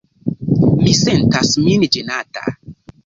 Mi sentas min ĝenata.